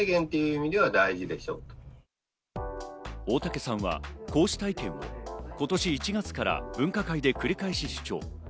大竹さんは、こうした意見を今年１月から分科会で繰り返し主張。